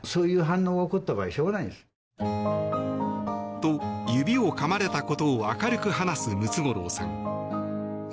と、指をかまれたことを明るく話すムツゴロウさん。